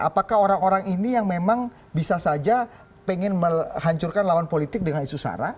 apakah orang orang ini yang memang bisa saja pengen menghancurkan lawan politik dengan isu sara